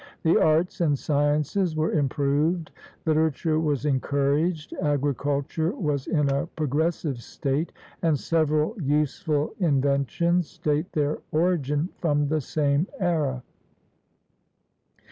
The arts and sciences were improved, literature was encouraged, agriculture was in a progressive state, and several useful inventions date their origin from the same era.